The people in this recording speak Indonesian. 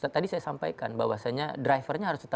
tadi saya sampaikan bahwasannya driver nya harus terpaksa